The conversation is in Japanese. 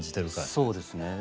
そうですね。